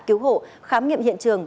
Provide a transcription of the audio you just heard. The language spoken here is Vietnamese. cứu hộ khám nghiệm hiện trường